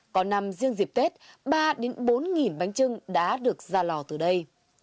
có năm riêng dịp tết ba bốn nghìn bánh trưng đã được ra lò từ đây